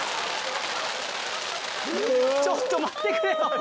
ちょっと待ってくれよ。